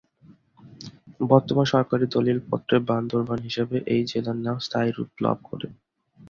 বর্তমানে সরকারি দলিল পত্রে বান্দরবান হিসাবে এই জেলার নাম স্থায়ী রুপ লাভ করেছে।